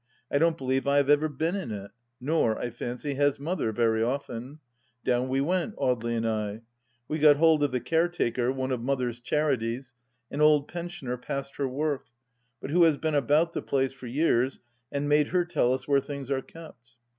I don't believe I have ever been in it. Nor, I fancy, has Mother, very often. Down we went, Audely and I. We got hold of the care taker, one of Mother's charities, an old pensioner past her work, but who has been about the place for years, and made her tell us where things are kept.